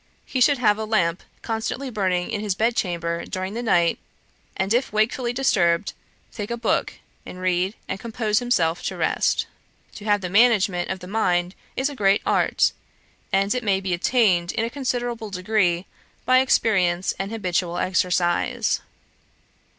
He should have a lamp constantly burning in his bed chamber during the night, and if wakefully disturbed, take a book, and read, and compose himself to rest. To have the management of the mind is a great art, and it may be attained in a considerable degree by experience and habitual exercise.'